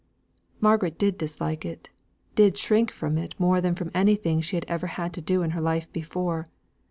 Margaret did dislike it, did shrink from it more than from anything she had ever had to do in her life before.